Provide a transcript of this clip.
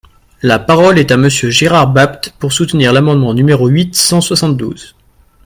La parole est à Monsieur Gérard Bapt, pour soutenir l’amendement numéro huit cent soixante-douze.